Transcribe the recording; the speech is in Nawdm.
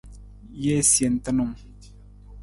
Jee sentunung.